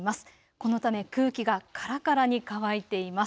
このため空気がカラカラに乾いています。